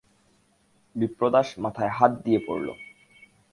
বিপ্রদাস মাথায় হাত দিয়ে পড়ল।